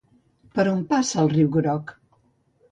Per on passa el Riu Groc?